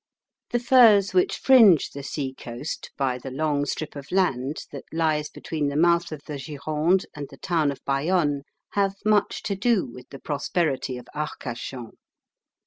The firs which fringe the seacoast by the long strip of land that lies between the mouth of the Gironde and the town of Bayonne have much to do with the prosperity of Arcachon.